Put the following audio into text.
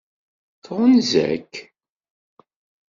Tɣunza-k?